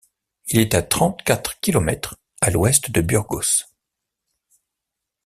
Il est à trente quatre kilomètres à l'ouest de Burgos.